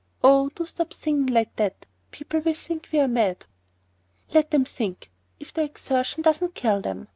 Oh, do stop singing like that. People will think we're mad." "Let 'em think,—if the exertion doesn't kill them.